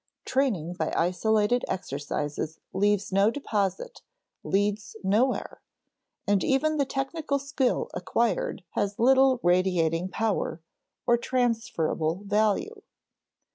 Training by isolated exercises leaves no deposit, leads nowhere; and even the technical skill acquired has little radiating power, or transferable value.